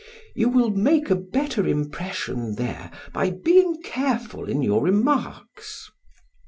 You will make a better impression there by being careful in your remarks.